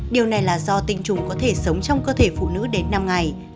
điều này là do tinh trùng có thể sống trong cơ thể phụ nữ đến năm ngày